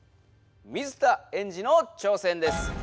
水田エンジの挑戦です。